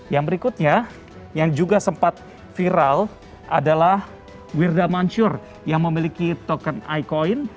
yang berikutnya yang juga sempat viral adalah wirda mansur yang memiliki token icoin